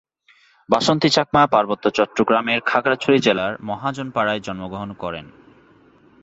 বাসন্তী চাকমা পার্বত্য চট্টগ্রামের খাগড়াছড়ি জেলার মহাজন পাড়ায় জন্মগ্রহণ করেন।